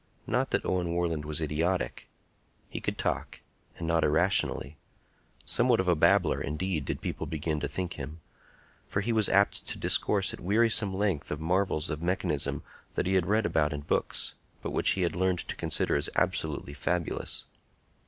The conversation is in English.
Not that Owen Warland was idiotic. He could talk, and not irrationally. Somewhat of a babbler, indeed, did people begin to think him; for he was apt to discourse at wearisome length of marvels of mechanism that he had read about in books, but which he had learned to consider as absolutely fabulous.